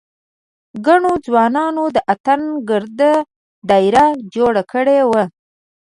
ګڼو ځوانانو د اتڼ ګرده داېره جوړه کړې وه.